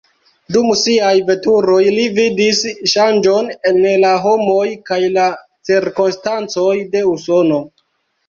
Dum siaj veturoj, li vidis ŝanĝon en la homoj kaj la cirkonstancoj de Usono.